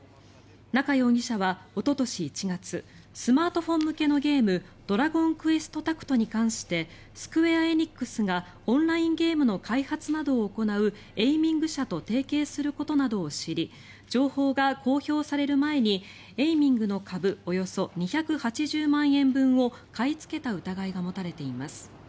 中容疑者はおととし１月スマートフォン向けのゲーム「ドラゴンクエストタクト」に関してスクウェア・エニックスがオンラインゲームの開発などを行うＡｉｍｉｎｇ社と提携することなどを知り情報が公表される前にＡｉｍｉｎｇの株およそ２８０万円分を買いつけた疑いが持たれています。